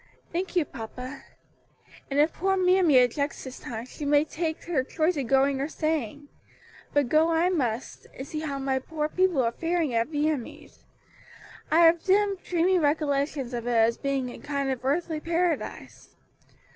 "Thank you, papa. And if poor mammy objects this time, she may take her choice of going or staying; but go I must, and see how my poor people are faring at Viamede. I have dim, dreamy recollections of it as a kind of earthly paradise.